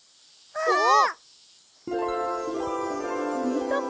あっ！